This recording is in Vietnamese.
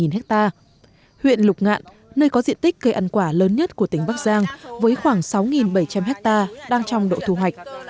huyện lục ngạn nơi có diện tích cây ăn quả lớn nhất của tỉnh bắc giang với khoảng sáu bảy trăm linh hectare đang trong độ thu hoạch